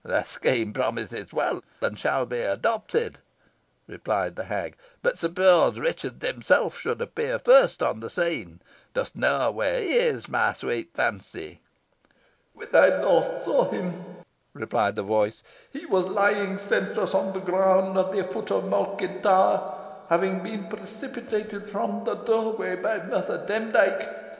"The scheme promises well, and shall be adopted," replied the hag; "but suppose Richard himself should appear first on the scene. Dost know where he is, my sweet Fancy?" "When I last saw him," replied the voice, "he was lying senseless on the ground, at the foot of Malkin Tower, having been precipitated from the doorway by Mother Demdike.